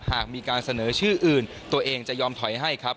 หากมีการเสนอชื่ออื่นตัวเองจะยอมถอยให้ครับ